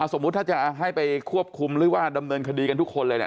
สมมุติถ้าจะให้ไปควบคุมหรือว่าดำเนินคดีกันทุกคนเลยเนี่ย